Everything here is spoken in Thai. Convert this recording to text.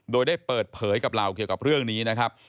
โดยได้เปิดเผยกับเราเกี่ยวกับเรื่องนี้นะครับ